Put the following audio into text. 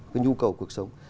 cái nhu cầu cuộc sống